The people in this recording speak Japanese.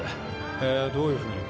へえどういうふうに？